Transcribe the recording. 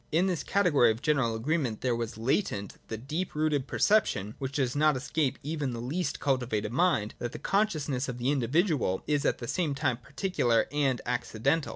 In this category of general agreement there was latent the deep rooted perception, which does not escape even the least cultivated mind, that the consciousness of the individual is at the same time particular and accidental.